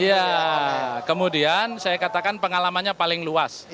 iya kemudian saya katakan pengalamannya paling luas